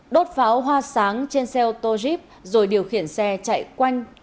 đốt pháo hoa sáng trên xe ô tô jeb rồi điều khiển xe chạy quanh